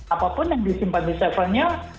apapun yang disimpan di server nya